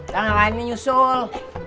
tangan lainnya nyusul